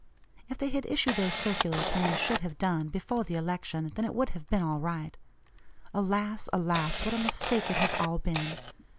If they had issued those circulars when they should have done, before the election, then it would have been all right. Alas! alas! what a mistake it has all been!